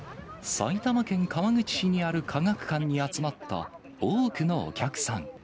埼玉県川口市にある科学館に集まった多くのお客さん。